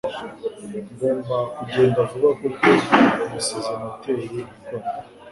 Ngomba kugenda vuba kuko nasize moteri ikora